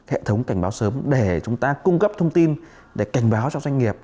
hệ thống cảnh báo sớm để chúng ta cung cấp thông tin để cảnh báo cho doanh nghiệp